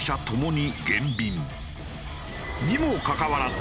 にもかかわらず